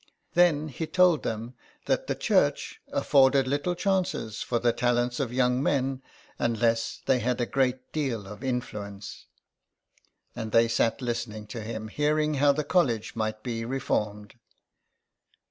Then he told them that the Church afforded little chances for the talents of young men unless they had a great deal of influence. And they sar. listening to him, hearing how the college might be reformt jd.